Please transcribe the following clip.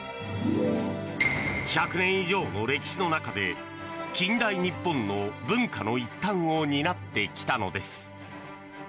１００年以上の歴史の中で近代日本の文化の一端を担ってきたのです。